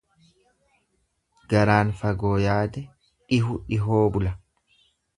Garaan fagoo yaade dhihu dhihoo bula.